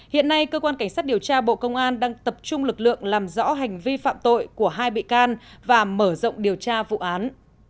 hiện nay cơ quan cảnh sát điều tra bộ công an đang tập trung lực lượng làm rõ hành vi phạm tội của hai bị can và mở rộng điều tra vụ án